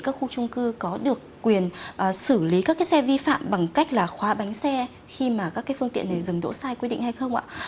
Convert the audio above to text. các khu trung cư có được quyền xử lý các cái xe vi phạm bằng cách là khóa bánh xe khi mà các phương tiện này dừng đỗ sai quy định hay không ạ